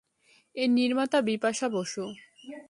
এর নির্মাতা বিপাশা বসু।